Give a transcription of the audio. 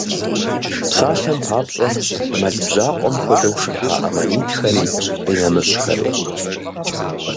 Псалъэм папщӏэ, мэл бжьакъуэм хуэдэу шыхьа аммонитхэри къинэмыщӏхэри.